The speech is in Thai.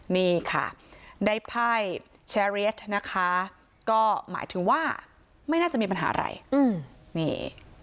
นี่ค่ะได้ภายนะคะก็หมายถึงว่าไม่น่าจะมีปัญหาอะไรอืมนี่